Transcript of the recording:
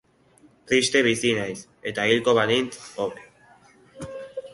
Triste bizi naiz eta, hilko banintz hobe.